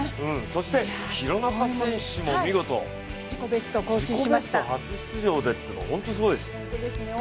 廣中選手も見事、自己ベスト、初出場でというのは本当にすごいです。